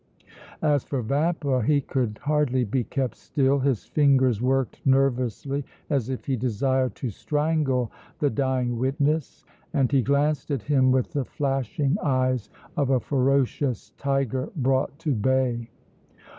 As for Vampa, he could hardly be kept still; his fingers worked nervously as if he desired to strangle the dying witness, and he glanced at him with the flashing eyes of a ferocious tiger brought to bay.